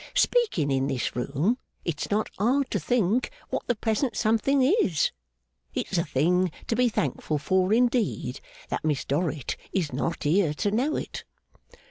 Speaking in this room, it's not hard to think what the present something is. It's a thing to be thankful for, indeed, that Miss Dorrit is not here to know it.